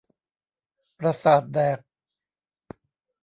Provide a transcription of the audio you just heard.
ประสาทแดก